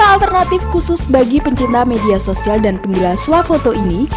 wisata alternatif khusus bagi pencinta media sosial dan penggilah suafoto ini